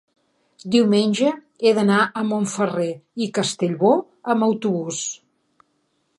diumenge he d'anar a Montferrer i Castellbò amb autobús.